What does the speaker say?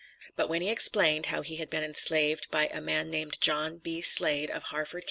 But when he explained how he was enslaved by a man named John B. Slade, of Harford Co.